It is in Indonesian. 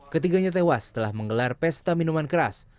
ketiganya tewas setelah menggelar pesta minuman keras